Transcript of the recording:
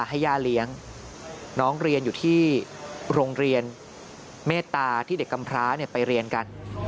ให้ย่าเลี้ยงน้องเรียนอยู่ที่โรงเรียนเมตตาที่เด็กกำพร้าไปเรียนกัน